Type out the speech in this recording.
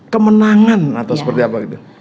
kemenangan atau seperti apa gitu